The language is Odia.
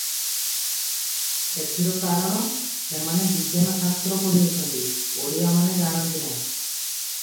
ସେଥିର କାରଣ, ସେମାନେ ବିଜ୍ଞାନ ଶାସ୍ତ୍ର ପଢ଼ିଅଛନ୍ତି; ଓଡ଼ିଆ ମାନେ ଜାଣନ୍ତି ନାହିଁ ।